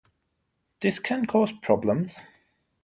This can cause problems.